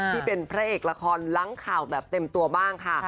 ที่เป็นพระเอกละครล้างข่าวแบบเต็มตัวบ้างค่ะ